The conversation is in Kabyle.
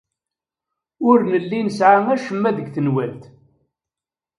Ur nelli nesɛa acemma deg tenwalt.